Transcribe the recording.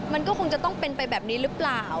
มันคงจะต้องไปแบบนี้หรือเปล่า